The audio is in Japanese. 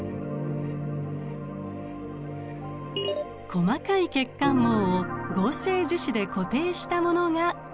細かい血管網を合成樹脂で固定したものがこちら。